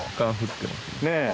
ねえ。